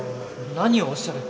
何をおっしゃる！